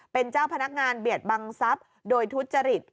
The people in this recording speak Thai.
เป็นเจ้าพนักงานเบียดบังทรัพย์โดยทุจริต